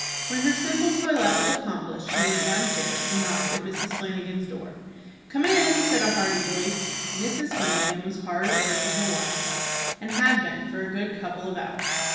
When her simple toilet was accomplished she went downstairs, and knocked at Mrs. Flanagan's door. "Come in!" said a hearty voice. Mrs. Flanagan was hard at work at her wash tub, and had been for a good couple of hours.